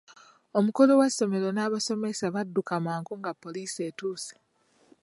Omukulu w'essomero n'abasomesa badduka mangu nga poliisi etuuse.